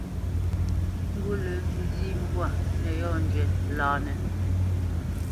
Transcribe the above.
Ngut lǝ̂ nzǐ mbwǎ nǝ yɔ́njwǐ lǎnǝ.